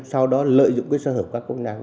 sau đó lợi dụng sơ hữu các công năng